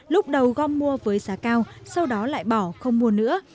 lúc đầu gom mua với giá cao sau đó lại bỏ không mua nữa